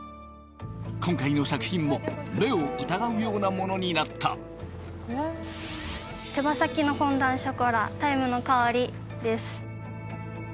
今回の作品も目を疑うようなものになった手羽先のフォンダンショコラタイムの香りです